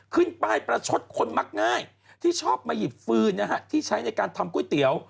ขึ้นป้ายประชดคนมักง่ายที่ชอบมาหยิบฟืนนะฮะที่ใช้ในการทำก๋วยเตี๋ยว